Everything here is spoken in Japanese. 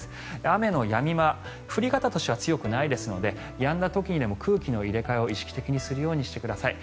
雨のやみ間降り方としては強くないですのでやんだ時にでも空気の入れ替えを意識的にするようにしてください。